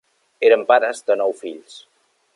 Eren pares de nou fills.